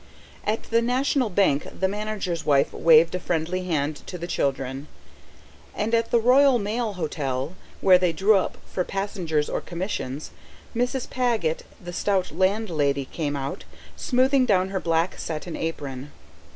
At the National Bank the manager's wife waved a friendly hand to the children, and at the Royal Mail Hotel where they drew up for passengers or commissions, Mrs. Paget, the stout landlady, came out, smoothing down her black satin apron.